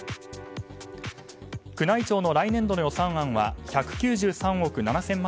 宮内庁の来年度の予算案は１９３億７０００万